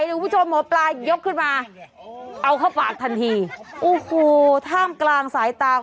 เดี๋ยวคุณผู้ชมหมอปลายกขึ้นมาเอาเข้าปากทันทีโอ้โหท่ามกลางสายตา